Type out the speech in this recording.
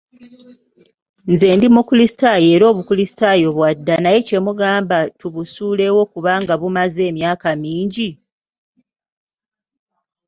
Nze ndi mukulisitaayo era obukulisitaayo bwadda naye kye mugamba tubusuulewo kubanga bumaze emyaka mingi?